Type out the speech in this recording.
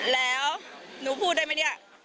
แล้วหนูพูดได้ไหม